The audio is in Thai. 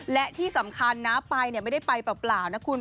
และที่สำคัญนะไปไม่ได้ไปเปล่านะคุณ